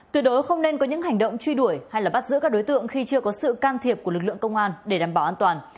tuyệt đối không nên có những hành động truy đuổi hay bắt giữ các đối tượng khi chưa có sự can thiệp của lực lượng công an để đảm bảo an toàn